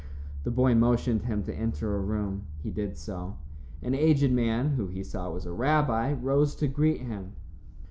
The boy motioned him to enter a room. He did so. An aged man, who he saw was a rabbi, rose to greet him.